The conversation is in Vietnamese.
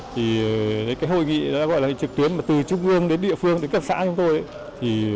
thì cái hội nghị đã gọi là trực tuyến mà từ trung ương đến địa phương đến cấp xã chúng tôi